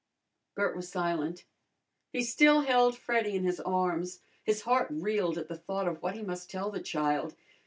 Bert was silent. He still held Freddy in his arms. His heart reeled at the thought of what he must tell the child.